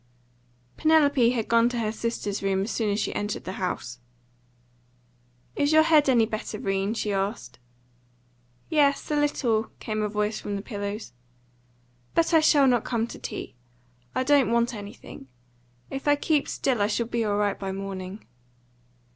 Penelope had gone to her sister's room as soon as she entered the house. "Is your head any better, 'Rene?" she asked. "Yes, a little," came a voice from the pillows. "But I shall not come to tea. I don't want anything. If I keep still, I shall be all right by morning."